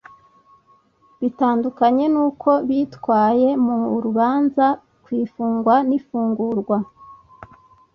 Bitandukanye n’uko bitwaye mu rubanza ku ifungwa n’ifungurwa